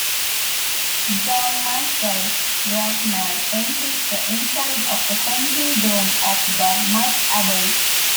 Johann Michael Rottmayr painted the inside of the central dome of the Melk Abbey.